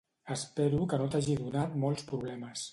Espero que no t'hagi donat molts problemes.